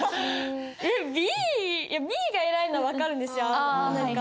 えっＢＢが偉いのは分かるんですよ。何か。